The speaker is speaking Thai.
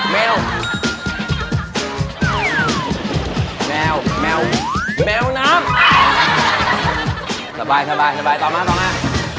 แมวแมวแมวแมวน้ำสบายสบายต่อมาต่อมา